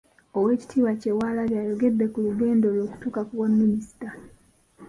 Oweekitiibwa Kyewalabye ayogedde ku lugendo lwe okutuuka ku Bwa minisita.